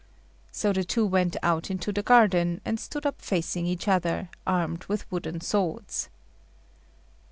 So the two went out into the garden, and stood up facing each other, armed with wooden swords.